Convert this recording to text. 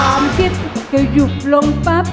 ความคิดก็หยุดลงปั๊บ